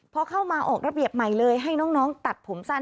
พอเข้ามาออกระเบียบใหม่เลยให้น้องตัดผมสั้น